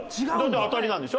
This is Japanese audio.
当たりなんでしょ？